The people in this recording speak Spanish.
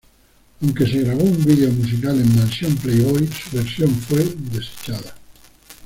Aunque se grabó un vídeo musical en Mansión Playboy, su versión fue desechada.